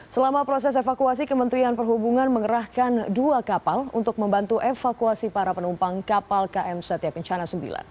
selama proses evakuasi kementerian perhubungan mengerahkan dua kapal untuk membantu evakuasi para penumpang kapal km setia kencana sembilan